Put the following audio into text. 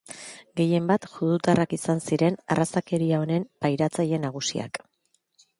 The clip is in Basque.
Gehienbat judutarrak izan ziren arrazakeria honen pairatzaile nagusiak.